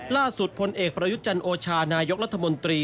ล่าสุดพลเอกประยุจรรย์โอชานายกรัฐมนตรี